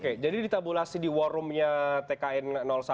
oke jadi di tabulasi di war roomnya tkn satu